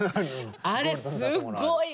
あれすごい。